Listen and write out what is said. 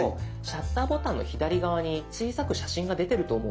シャッターボタンの左側に小さく写真が出てると思うんです。